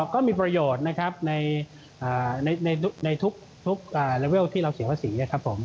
ก็มีประโยชน์นะครับในทุกเลเวลที่เราเสียภาษีนะครับผม